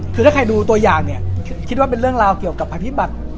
คือถ้าใครดูตัวอย่างเนี่ยคิดว่าเป็นเรื่องราวเกี่ยวกับภัยพิบัติ